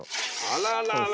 あららら。